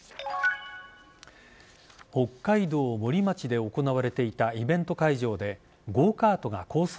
北海道森町で行われていたイベント会場でゴーカートがコース